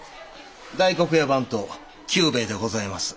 大黒屋番頭久兵衛でございます。